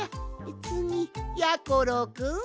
つぎやころくん！